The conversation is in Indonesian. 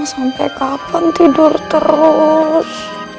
sampai kapan tidur terus